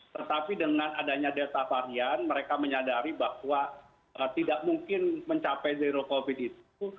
tetapi dengan adanya delta varian mereka menyadari bahwa tidak mungkin mencapai zero covid itu